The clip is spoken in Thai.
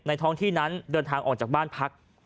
ท้องที่นั้นเดินทางออกจากบ้านพัก